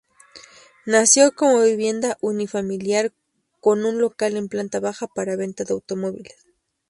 Nació como vivienda unifamiliar con un local en planta baja para venta de automóviles.